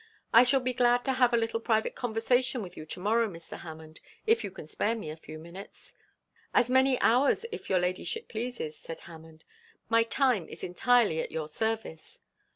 I shall be glad to have a little private conversation with you to morrow, Mr. Hammond, if you can spare me a few minutes.' 'As many hours, if your ladyship pleases,' said Hammond. 'My time is entirely at your service.'